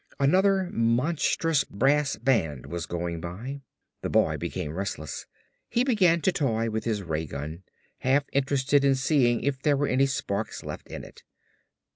Another monstrous brass band was going by. The boy became restless. He began to toy with his ray gun, half interested in seeing if there were any sparks left in it.